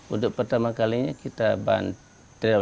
untuk pertama kalinya kita bantu